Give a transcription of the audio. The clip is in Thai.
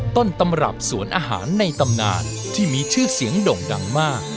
ต้นตำรับสวนอาหารในตำนานที่มีชื่อเสียงด่งดังมาก